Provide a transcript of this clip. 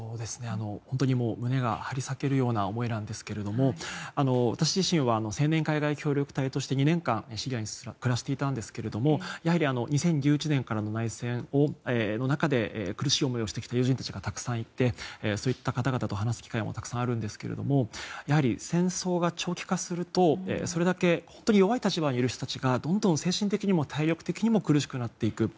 本当に胸が張り裂けるような思いなんですけれども私自身は青年海外協力隊として２年間シリアで暮らしていたんですがやはり２０１１年からの内戦の中で苦しい思いをしている人たちがたくさんいてそういった方々と話す機会もたくさんあるんですけれどもやはり戦争が長期化するとそれだけ弱い立場にいる人たちが精神的にも体力的にもどんどん苦しくなっていく。